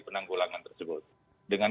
penanggulangan tersebut dengan